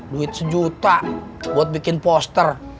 duit sejuta buat bikin poster